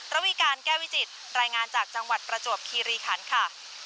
ระวีการแก้วิจิตรายงานจากจังหวัดประจวบคีรีคันค่ะ